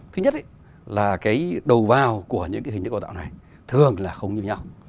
thứ nhất là cái đầu vào của những hình chữ đào tạo này thường là không như nhau